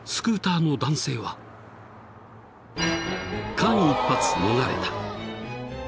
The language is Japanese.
［間一髪逃れた］